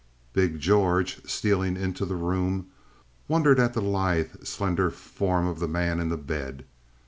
Big George, stealing into the room, wondered at the lithe, slender form of the man in the bed.